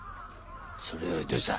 それよりどうした？